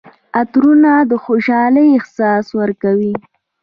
عطرونه د خوشحالۍ احساس ورکوي.